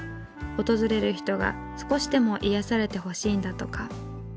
訪れる人が少しでも癒やされてほしいんだとか。